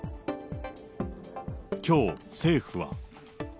きょう、政府は。